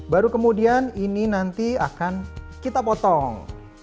baru kemudian ini nanti akan kita potong